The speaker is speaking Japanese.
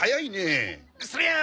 そりゃあ